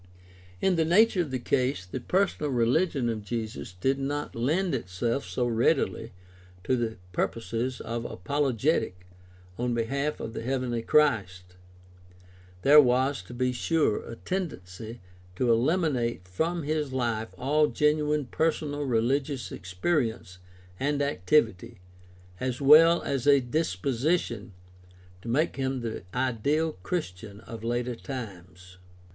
In the nature of the case the personal religion of Jesus did not lend 266 GUIDE TO STUDY OF" CHRISTIAN RELIGION itself so readily to the purposes of apologetic on behalf of the heavenly Christ. There was, to be sure, a tendency to eliminate from his life all genuine personal religious experience and activity, as well as a disposition to make him the ideal Christian of later times.